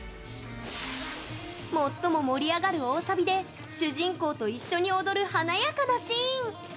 最も盛り上がる大サビで主人公と一緒に踊る華やかなシーン。